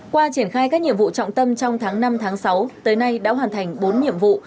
qua triển khai các nhiệm vụ trọng tâm trong tháng năm tháng sáu tới nay đã hoàn thành bốn nhiệm vụ